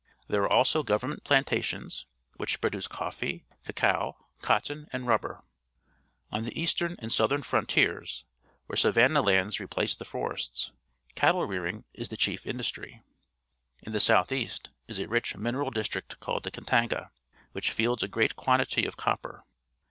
There are also government plantations, which produce cofTee, cacao, cotton, and rubber. On the Carrying Ivory, Mombasa, Kenya Colony eastern and southern frontiers, where savanna lands replace the forests, cattle rearing is the chief industry. In the south east is a rich mineral district called the Katanga, which fields a great quantity of copper.